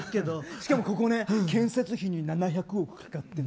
しかもここね建設費に７００億かかってる。